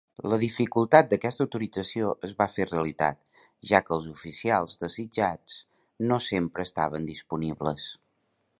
La dificultat d'aquesta autorització es va fer realitat, ja que els oficials desitjats no sempre estaven disponibles.